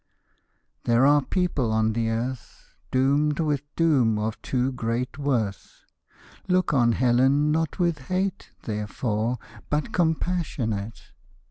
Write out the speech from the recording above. There are people on the earth Doomed with doom of too great worth. Look on Helen not with hate, Therefore, but compassionate.